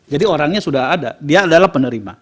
jadi orangnya sudah ada dia adalah penerima